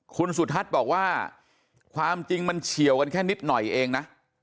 คุณสุทัศน์บอกว่าความจริงมันเฉียวกันแค่นิดหน่อยเองนะ